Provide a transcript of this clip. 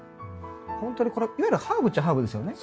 ほんとにこれいわゆるハーブっちゃハーブですよね。